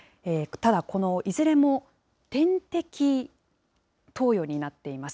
ただ、このいずれも、点滴投与になっています。